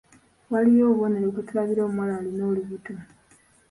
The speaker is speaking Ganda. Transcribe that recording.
Waliyo obubonero kwe tulabira omuwala alina olubuto.